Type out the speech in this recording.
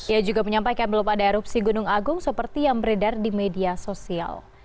ia juga menyampaikan belum ada erupsi gunung agung seperti yang beredar di media sosial